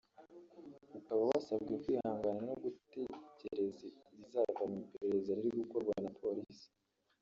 ukaba wasabwe kwihangana no gutegereza ibizava mu iperereza riri gukorwa na Polisi